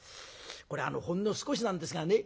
これほんの少しなんですがね